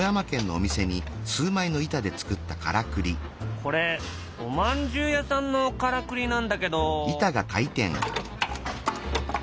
これおまんじゅう屋さんのからくりなんだけど。